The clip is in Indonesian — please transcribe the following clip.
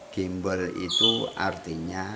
gimbal itu artinya